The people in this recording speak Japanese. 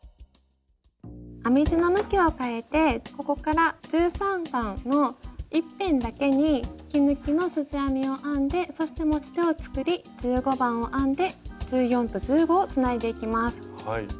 編み地の向きを変えてここから１３番の１辺だけに引き抜きのすじ編みを編んでそして持ち手を作り１５番を編んで１４と１５をつないでいきます。